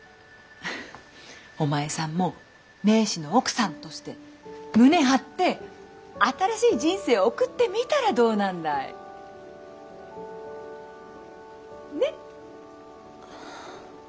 お前さんも名士の奥さんとして胸張って新しい人生を送ってみたらどうなんだい。ね。